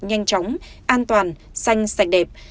nhanh chóng an toàn xanh sạch đẹp